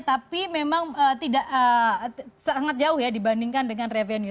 tapi memang tidak sangat jauh ya dibandingkan dengan revenue